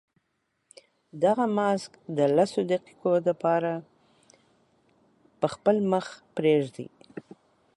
دغه ماسک د لسو دقیقو لپاره په خپل مخ پرېږدئ.